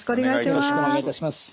よろしくお願いします。